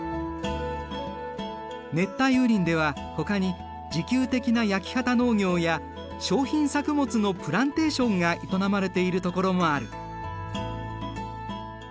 熱帯雨林ではほかに自給的な焼き畑農業や商品作物のプランテーションが営まれているところもある。